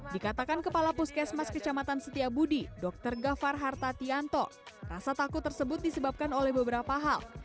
dikatakan kepala puskesmas kecamatan setiabudi dr gafar hartatianto rasa takut tersebut disebabkan oleh beberapa hal